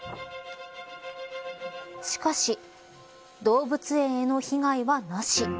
しかし、動物園への被害はなし。